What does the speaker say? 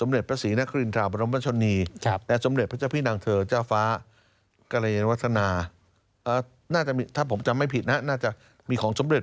วัดราชบอพิษน่ะน่าจะมีของสมเร็จ